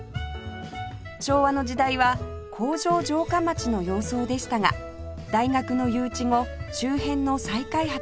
昭和の時代は工場城下町の様相でしたが大学の誘致後周辺の再開発が加速